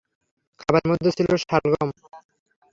খাবারের মধ্যে ছিল শালগম।